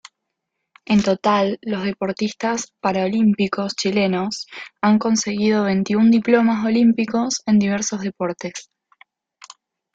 En total, los deportistas paralímpicos chilenos han conseguido veintiún diplomas olímpicos en diversos deportes.